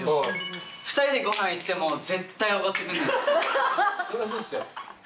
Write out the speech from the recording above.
２人でごはん行っても。